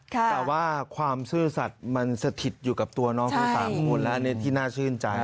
แต่ว่าความซื่อสัตว์มันสถิตอยู่กับตัวน้องทั้ง๓คนแล้วอันนี้ที่น่าชื่นใจ